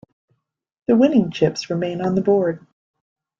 The winning chips remain on the board.